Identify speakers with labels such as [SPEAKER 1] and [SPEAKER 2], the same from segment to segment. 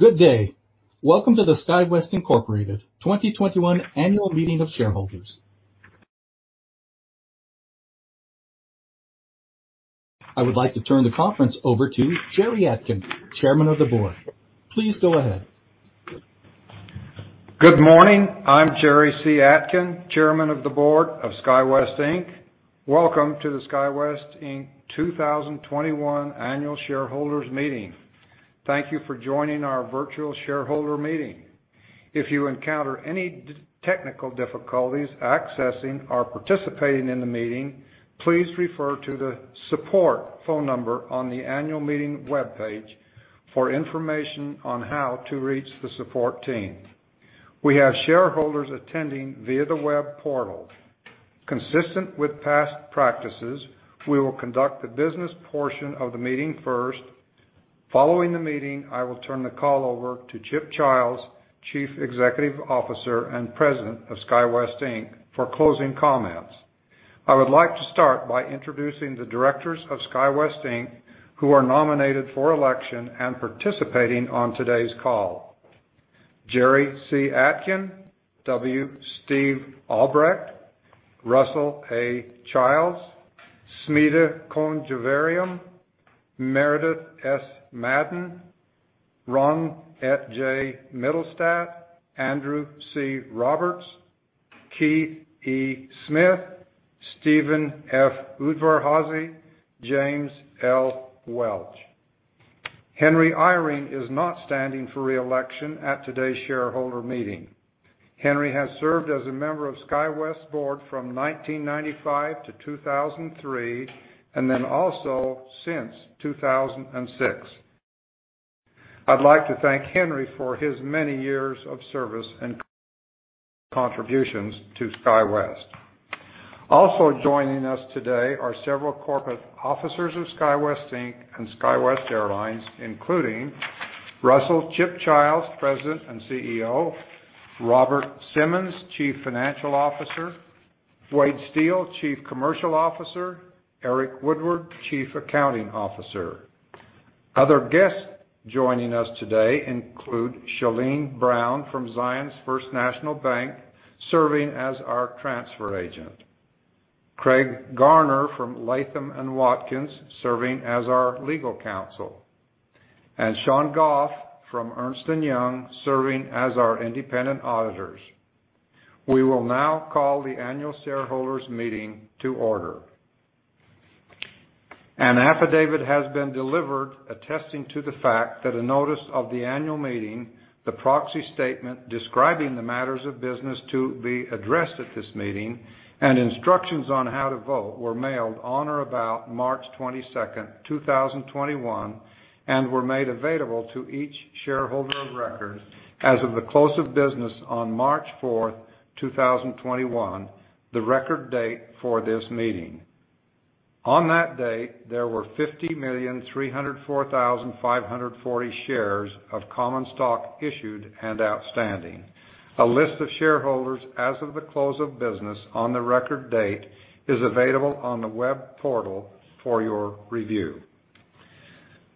[SPEAKER 1] Good day. Welcome to the SkyWest Incorporated 2021 Annual Meeting of Shareholders. I would like to turn the conference over to Jerry Atkin, Chairman of the Board. Please go ahead.
[SPEAKER 2] Good morning. I'm Jerry C. Atkin, Chairman of the Board of SkyWest Inc. Welcome to the SkyWest Inc. 2021 Annual Shareholders Meeting. Thank you for joining our virtual shareholder meeting. If you encounter any technical difficulties accessing or participating in the meeting, please refer to the support phone number on the annual meeting web page for information on how to reach the support team. We have shareholders attending via the web portal. Consistent with past practices, we will conduct the business portion of the meeting first. Following the meeting, I will turn the call over to Chip Childs, Chief Executive Officer and President of SkyWest Inc., for closing comments. I would like to start by introducing the directors of SkyWest Inc., who are nominated for election and participating on today's call: Jerry C. Atkin, W. Steve Albrecht, Russell A. Childs, Smita Conjeevaram, Meredith S. Madden, Ron J. Mittelstaedt, Andrew C. Roberts. Keith E. Smith, Steven F. Udvar-Házy, James L. Welch. Henry Eyring is not standing for reelection at today's shareholder meeting. Henry has served as a member of SkyWest Board from 1995-2003 and then also since 2006. I'd like to thank Henry for his many years of service and contributions to SkyWest. Also joining us today are several corporate officers of SkyWest Inc. and SkyWest Airlines, including Russell Chip Childs President and CEO, Robert Simmons, Chief Financial Officer, Wade Steel, Chief Commercial Officer, Eric Woodward, Chief Accounting Officer. Other guests joining us today include Shelene Brown from Zions First National Bank, serving as our transfer agent, Craig Garner from Latham & Watkins, serving as our legal counsel, and Shawn Goff from Ernst & Young, serving as our independent auditors. We will now call the annual shareholders meeting to order. An affidavit has been delivered attesting to the fact that a notice of the annual meeting, the proxy statement describing the matters of business to be addressed at this meeting, and instructions on how to vote were mailed on or about March 22nd, 2021, and were made available to each shareholder of record as of the close of business on March 4th, 2021, the record date for this meeting. On that date, there were 50,304,540 shares of common stock issued and outstanding. A list of shareholders as of the close of business on the record date is available on the web portal for your review.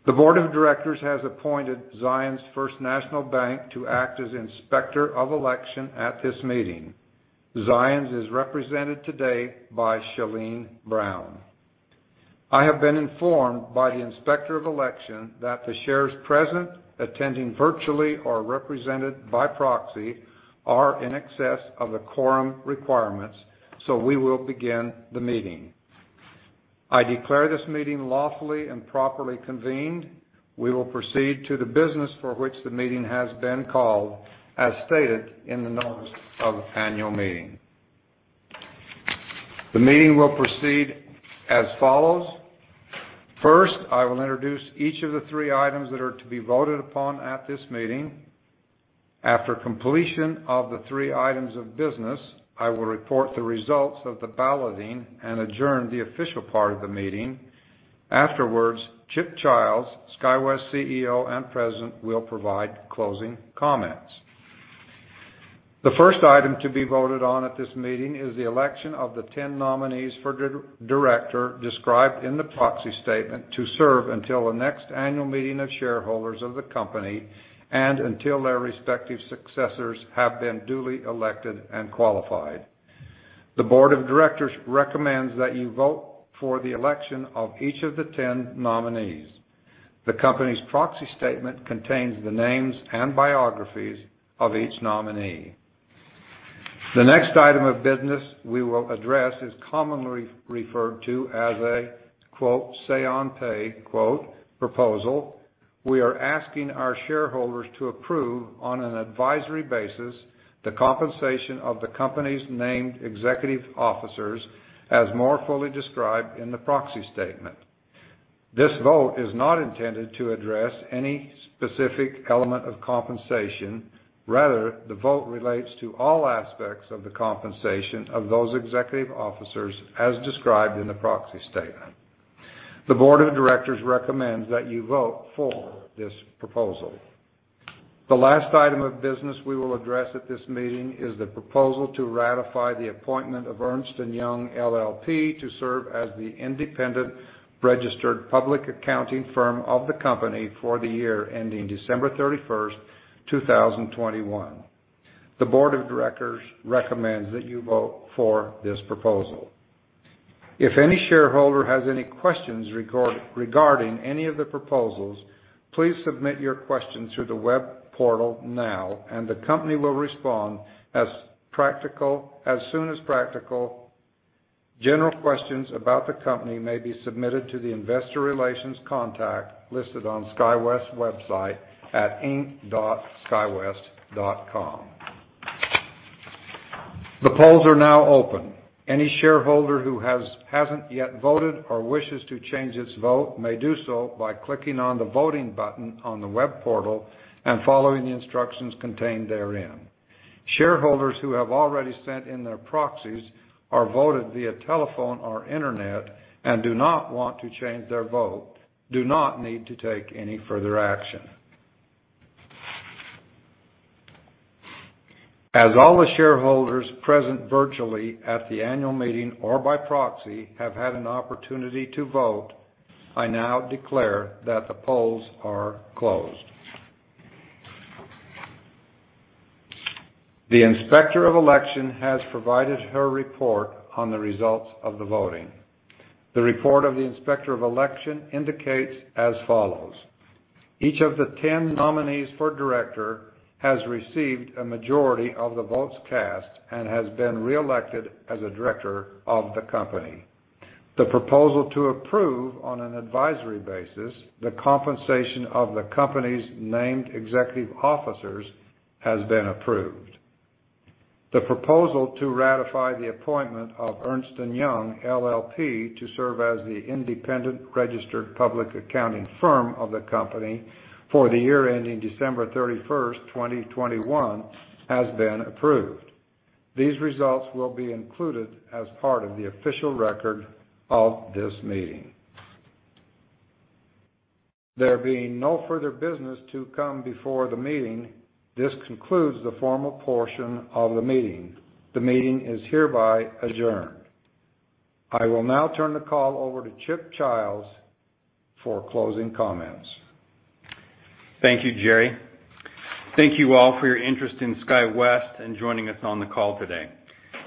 [SPEAKER 2] The Board of Directors has appointed Zions First National Bank to act as inspector of election at this meeting. Zions is represented today by Shelene Brown. I have been informed by the inspector of election that the shares present, attending virtually or represented by proxy, are in excess of the quorum requirements, so we will begin the meeting. I declare this meeting lawfully and properly convened. We will proceed to the business for which the meeting has been called, as stated in the notice of annual meeting. The meeting will proceed as follows. First, I will introduce each of the three items that are to be voted upon at this meeting. After completion of the three items of business, I will report the results of the balloting and adjourn the official part of the meeting. Afterwards, Chip Childs, SkyWest CEO and President, will provide closing comments. The first item to be voted on at this meeting is the election of the 10 nominees for director described in the proxy statement to serve until the next annual meeting of shareholders of the company and until their respective successors have been duly elected and qualified. The Board of Directors recommends that you vote for the election of each of the 10 nominees. The company's proxy statement contains the names and biographies of each nominee. The next item of business we will address is commonly referred to as a "say-on-pay" proposal. We are asking our shareholders to approve, on an advisory basis, the compensation of the company's named executive officers, as more fully described in the proxy statement. This vote is not intended to address any specific element of compensation. Rather, the vote relates to all aspects of the compensation of those executive officers as described in the proxy statement. The Board of Directors recommends that you vote for this proposal. The last item of business we will address at this meeting is the proposal to ratify the appointment of Ernst & Young LLP to serve as the independent registered public accounting firm of the company for the year ending December 31st, 2021. The Board of Directors recommends that you vote for this proposal. If any shareholder has any questions regarding any of the proposals, please submit your questions through the web portal now, and the company will respond as soon as practical. General questions about the company may be submitted to the investor relations contact listed on SkyWest's website at inc.skywest.com. The polls are now open. Any shareholder who hasn't yet voted or wishes to change its vote may do so by clicking on the voting button on the web portal and following the instructions contained therein. Shareholders who have already sent in their proxies or voted via telephone or Internet and do not want to change their vote do not need to take any further action. As all the shareholders present virtually at the annual meeting or by proxy have had an opportunity to vote, I now declare that the polls are closed. The Inspector of Election has provided her report on the results of the voting. The report of the Inspector of Election indicates as follows: Each of the 10 nominees for director has received a majority of the votes cast and has been reelected as a director of the company. The proposal to approve on an advisory basis the compensation of the company's named executive officers has been approved. The proposal to ratify the appointment of Ernst & Young LLP to serve as the independent registered public accounting firm of the company for the year ending December 31st, 2021, has been approved. These results will be included as part of the official record of this meeting. There being no further business to come before the meeting, this concludes the formal portion of the meeting. The meeting is hereby adjourned. I will now turn the call over to Chip Childs for closing comments.
[SPEAKER 3] Thank you, Jerry. Thank you all for your interest in SkyWest and joining us on the call today.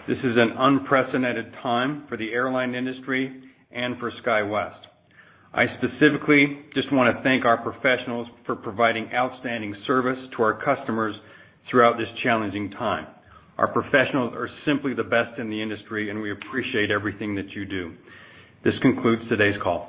[SPEAKER 3] This is an unprecedented time for the airline industry and for SkyWest. I specifically just want to thank our professionals for providing outstanding service to our customers throughout this challenging time. Our professionals are simply the best in the industry, and we appreciate everything that you do. This concludes today's call.